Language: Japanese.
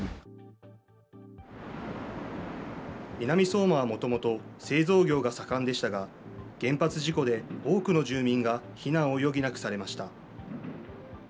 南相馬はもともと、製造業が盛んでしたが、原発事故で多くの住民が避難を余儀なくされました。